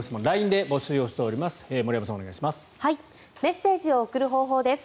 ＬＩＮＥで募集をしております。